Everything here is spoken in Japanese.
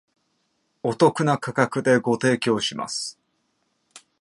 お得な価格でご提供します